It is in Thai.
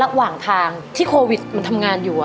ระหว่างทางที่โควิดมันทำงานอยู่